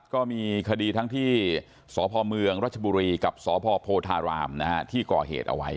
ก็มีคดีทั้งที่สพเมืองรัชบุรีกับสพโพธารามที่ก่อเหตุเอาไว้